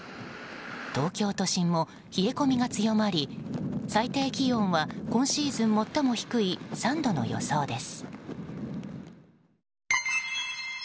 東京都心も冷え込みが強まり最低気温は今シーズン最も低い３度の予想です。